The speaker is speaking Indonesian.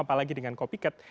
apalagi dengan copycat